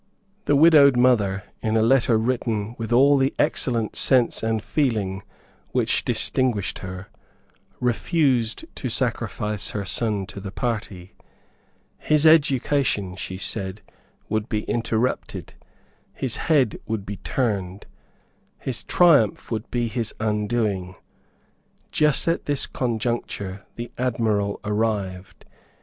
The widowed mother, in a letter written with all the excellent sense and feeling which distinguished her, refused to sacrifice her son to her party. His education, she said, would be interrupted; his head would be turned; his triumph would be his undoing. Just at this conjuncture the Admiral arrived.